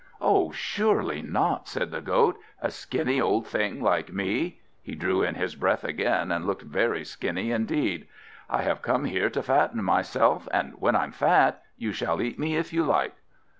"Oh, surely not," said the Goat; "a skinny old thing like me!" He drew in his breath again, and looked very skinny indeed. "I have come here to fatten myself, and when I'm fat, you shall eat me if you like."